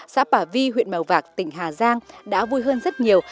xã bà vi huyện mèo vạc tỉnh hà giang đã vui hơn rất nhiều